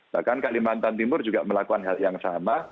bahkan kalimantan timur juga melakukan hal yang sama